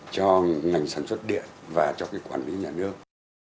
cho ngành sản xuất điện và cho cái quản lý nhà nước